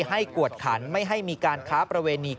กวดขันไม่ให้มีการค้าประเวณี